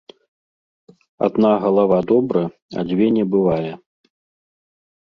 Адна галава добра, а дзве не бывае.